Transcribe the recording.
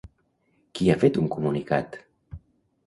Qui ha fet un comunicat?